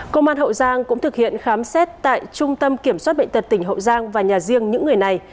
công an hậu giang cũng thực hiện khám xét tại trung tâm kiểm soát bệnh tật tỉnh hậu giang và nhà riêng những người này